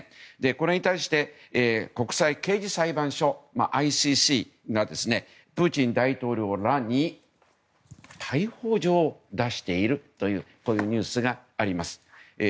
これに対して国際刑事裁判所・ＩＣＣがプーチン大統領らに逮捕状を出しているというニュースがあります。